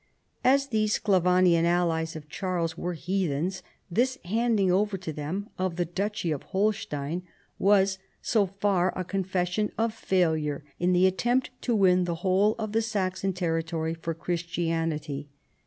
As these Sclavonian allies of Charles were heathens, this handing over to them of the duchy of Holstein was so far a confession of failure in the attempt to win the whole of the Saxon terri tory for Christianity.